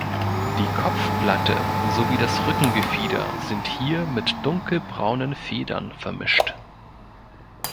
Die Kopfplatte sowie das Rückengefieder sind hier mit dunkelbraunen Federn vermischt.